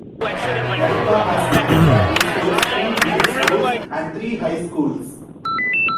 Yaita has nine primary schools, three middle schools and three high schools.